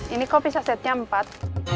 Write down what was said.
ini kopi sasetnya empat